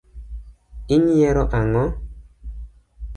Inyiero ang’o?